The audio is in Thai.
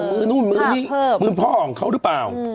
มือนู่นมือนี่มือพ่อของเขาหรือเปล่า